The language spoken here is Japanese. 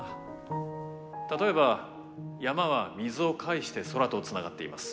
例えば山は水を介して空とつながっています。